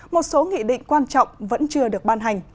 một số nghị định quan trọng vẫn chưa được ban hành